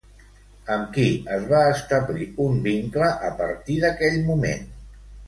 Amb qui es va establir un vincle a partir d'aquell moment?